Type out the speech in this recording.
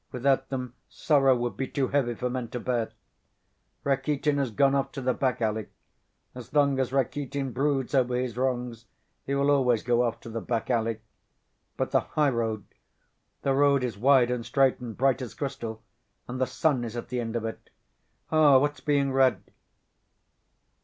Without them, sorrow would be too heavy for men to bear. Rakitin has gone off to the back alley. As long as Rakitin broods over his wrongs, he will always go off to the back alley.... But the high road ... The road is wide and straight and bright as crystal, and the sun is at the end of it.... Ah!... What's being read?"...